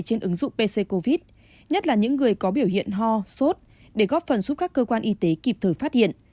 trên ứng dụng pc covid nhất là những người có biểu hiện ho sốt để góp phần giúp các cơ quan y tế kịp thời phát hiện